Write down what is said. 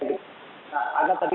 pertemuan saya dengan lawan cara saya